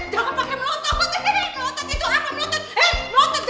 jangan pake melotot